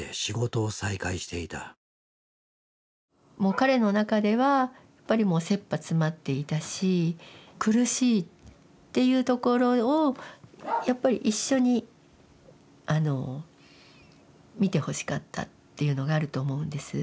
もう彼の中ではやっぱりもうせっぱ詰まっていたし苦しいっていうところをやっぱり一緒に見てほしかったっていうのがあると思うんです。